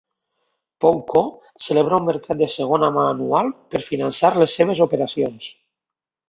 PoeCo celebra un mercat de segona mà anual per finançar les seves operacions.